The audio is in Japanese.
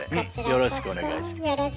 よろしくお願いします。